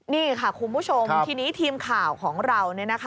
นี่ค่ะคุณผู้ชมทีนี้ทีมข่าวของเรา